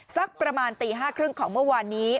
สักประมาณตี๕๓๐ของเมื่อวานนี้